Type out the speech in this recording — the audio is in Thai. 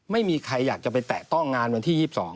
ไม่มีใครอยากจะไปแตะต้องงานวันที่๒๒